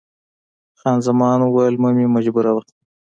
خان زمان وویل، مه مې مجبوروه.